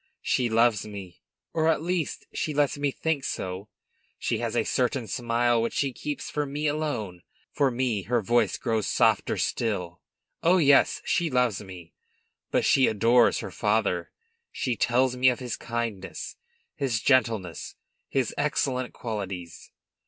She loves me, or at least she lets me think so; she has a certain smile which she keeps for me alone; for me, her voice grows softer still. Oh, yes! she loves me! But she adores her father; she tells me of his kindness, his gentleness, his excellent qualities.